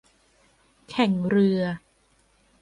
แข่งเรือ